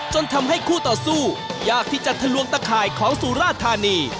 จนทำให้คู่ต่อสู้ยากที่จะทะลวงตะข่ายของสุราธานี